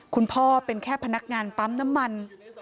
คุณพ่อเป็นแค่พนักงานปั๊มน้ำมัน